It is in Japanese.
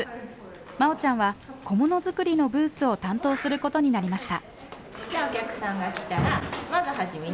まおちゃんは小物作りのブースを担当することになりました。